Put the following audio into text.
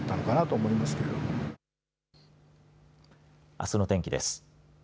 あすの天気です。